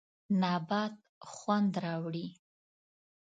نبات خوند راوړي.